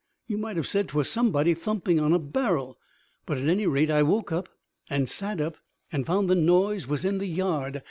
You might have said 'twas somebody thumping on a barrel; but, at any rate, I woke up, and sat up, and found the noise was in the yard.